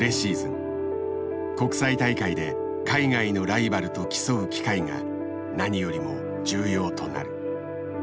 国際大会で海外のライバルと競う機会が何よりも重要となる。